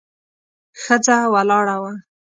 ښځه ولاړه وه.